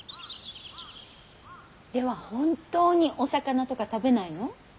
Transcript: では本当にお魚とか食べないの？